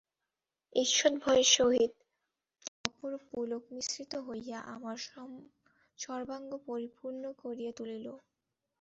ঈষৎ ভয়ের সহিত এক অপরূপ পুলক মিশ্রিত হইয়া আমার সর্বাঙ্গ পরিপূর্ণ করিয়া তুলিল।